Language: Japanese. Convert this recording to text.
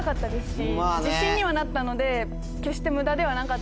自信にはなったので決して。